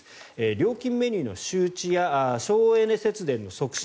料金メニューの周知や省エネ節電の促進